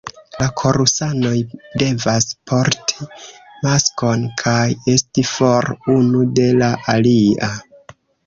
La korusanoj devas porti maskon kaj esti for unu de la alia.